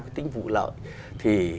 cái tính phụ lợi thì